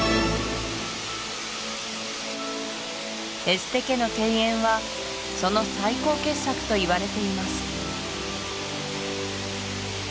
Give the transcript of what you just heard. エステ家の庭園はその最高傑作といわれています